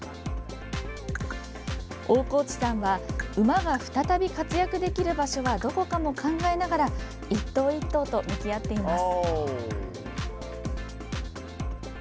大河内さんは、馬が再び活躍できる場所はどこかも考えながら一頭一頭と向き合っています。